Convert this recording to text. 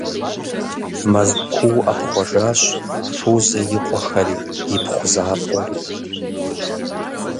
Мэзкуу ӏэпхъуэжащ Фузэ и къуэхэри, ипхъу закъуэри.